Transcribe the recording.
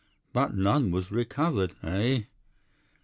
"'"But none was recovered, eh?"